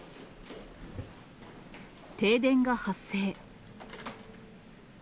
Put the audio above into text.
停電が発生。